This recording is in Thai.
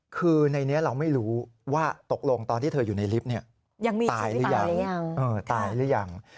คือในนี้เราไม่รู้ว่าตกลงตอนที่เธออยู่ในลิฟต์ตายหรือยังตายหรือยัง